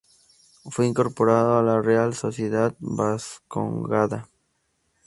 Fue incorporado a la Real Sociedad Vascongada.